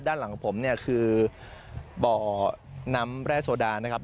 ด้านหลังของผมเนี่ยคือบ่อน้ำแร่โซดานะครับ